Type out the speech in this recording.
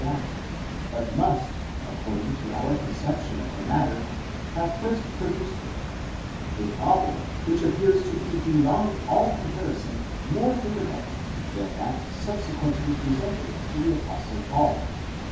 gather, but must, according to our conception of the matter, have first pro duced it ; a problem which appears to be beyond all comparison more difficult than that subsequently presented to the Apostle Paul.